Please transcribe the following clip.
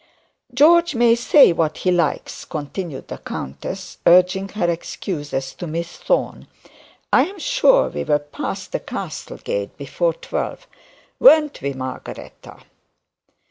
'John may say what he likes,' continued the countess, urging her excuses on Miss Thorne; 'I am sure we were past the castle gate before twelve, weren't we, Margaretta?'